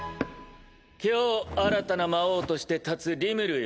今日新たな魔王として立つリムルよ。